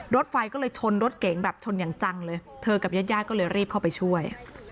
รถไฟก็เลยชนรถเก๋งแบบชนอย่างจังเลยเธอกับญาติญาติก็เลยรีบเข้าไปช่วย